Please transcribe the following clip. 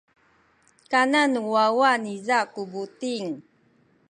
kanan nu wawa niza ku buting.